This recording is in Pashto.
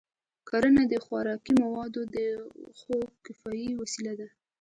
کرنه د خوراکي موادو د خودکفایۍ وسیله ده.